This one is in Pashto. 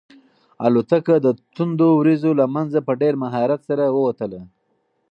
الوتکه د توندو وریځو له منځه په ډېر مهارت سره ووتله.